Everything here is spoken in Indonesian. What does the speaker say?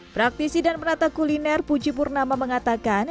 praktisi dan penata kuliner puji purnama mengatakan